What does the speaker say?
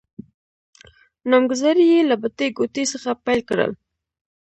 نامګذارې يې له بټې ګوتې څخه پیل کړل.